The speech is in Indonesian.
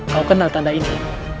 kau kenal tanda ini